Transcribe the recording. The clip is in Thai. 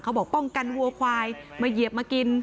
บอกป้องกันวัวควายมาเหยียบมากิน